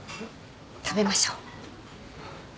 食べましょう。